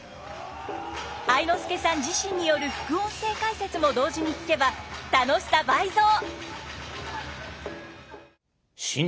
愛之助さん自身による副音声解説も同時に聞けば楽しさ倍増！